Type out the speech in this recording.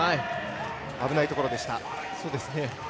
危ないところでした。